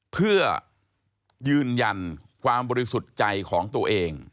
เพื่อยืนยันความบริสุทธิ์ใจของตัวเอง